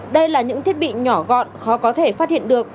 đây là những thiết bị nhỏ gọn khó có thể phát hiện được